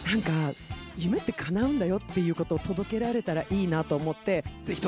夢ってかなうんだよっていうことを届けられたらいいなと思って。